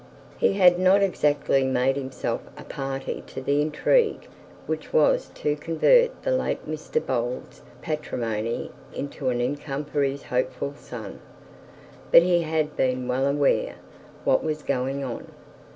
He had not exactly made himself a party to the intrigue which was to convert the late Mr Bold's patrimony into an income for his hopeful son, but he had been well aware what was going on.